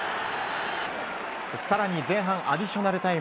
更に、前半アディショナルタイム。